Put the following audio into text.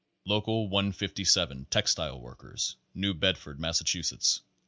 Local Union 157, Textile Workers, New Bedford, Massachusetts.